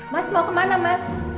mas mau kemana mas